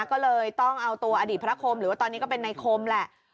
ก็เลยต้องเอาตัวอดีตพระคมหรือว่าตอนนี้ก็เป็นในคมแหละ